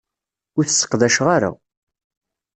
Ur t-sseqdaceɣ ara.